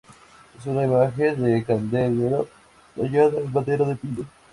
Es una imagen de candelero tallada en madera de pino.